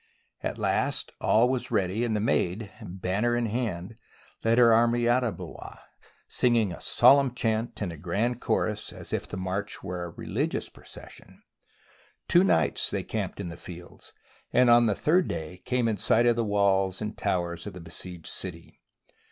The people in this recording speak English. At last all was ready and the Maid, banner in hand, led her army out of Blois, singing a solemn chant in a grand chorus as if the march were a re ligious procession. Two nights they camped in the fields, and on the third day came in sight of the walls and towers of the besieged city.